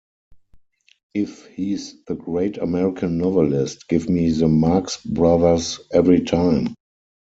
If he's the great American novelist, give me the Marx Brothers every time.